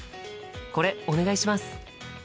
これお願いします！